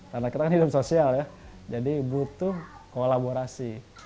karena kita kan hidup sosial ya jadi butuh kolaborasi